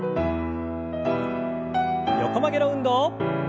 横曲げの運動。